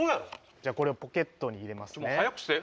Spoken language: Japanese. じゃあ、これをポケットに入早くして。